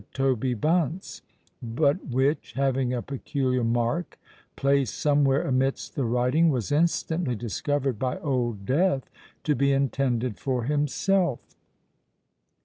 TOBY BUNCE;" but which, having a peculiar mark placed somewhere amidst the writing, was instantly discovered by Old Death to be intended for himself.